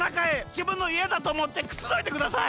じぶんのいえだとおもってくつろいでください！